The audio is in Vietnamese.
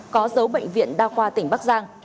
có dấu bệnh viện đa qua tỉnh bắc giang